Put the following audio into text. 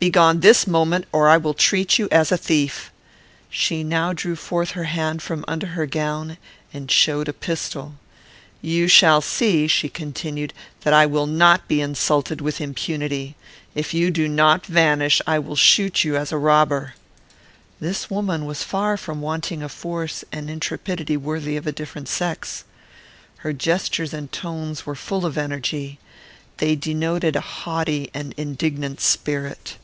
"Begone this moment, or I will treat you as a thief." She now drew forth her hand from under her gown, and showed a pistol. "You shall see," she continued, "that I will not be insulted with impunity. If you do not vanish, I will shoot you as a robber." This woman was far from wanting a force and intrepidity worthy of a different sex. Her gestures and tones were full of energy. They denoted a haughty and indignant spirit.